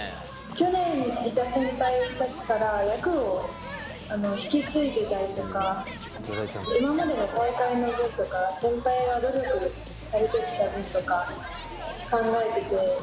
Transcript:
去年いた先輩たちから役を引き継いでたりとか今までの大会の分とか先輩が努力されてきた分とか考えてて。